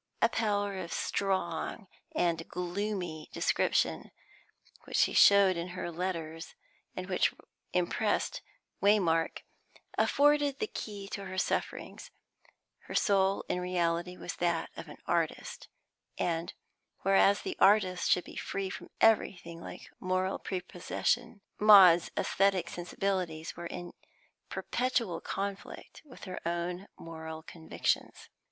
A power of strong and gloomy description which she showed in her letters, and which impressed Waymark, afforded the key to her sufferings; her soul in reality was that of an artist, and, whereas the artist should be free from everything like moral prepossession, Maud's aesthetic sensibilities were in perpetual conflict with her moral convictions.